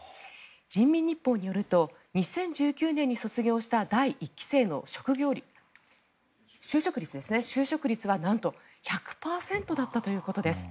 人民日報によると２０１９年に卒業した第１期生の就職率はなんと１００％だったということです。